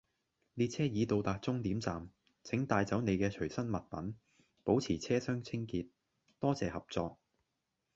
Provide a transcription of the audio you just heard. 列車已到達終點站，請帶走你嘅隨身物品，保持車廂清潔，多謝合作